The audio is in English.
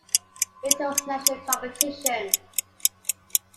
It hosts national competitions.